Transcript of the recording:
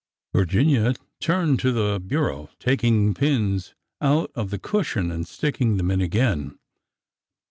Virginia turned to the bureau,— taking pins out of the cushion, and sticking them in again.